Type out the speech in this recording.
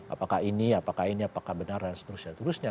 apakah ini apakah ini apakah benar dan seterusnya terusnya